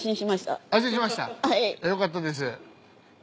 よかったです。